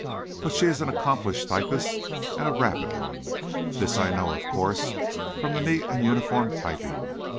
But she is an accomplished typist and a rapid one. This, I know, of course, from the neat and uniform typing.